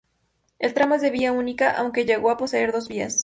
El tramo es de vía única aunque llegó a poseer dos vías.